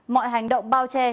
mọi hành động bao che